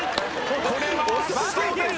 これは圧勝です。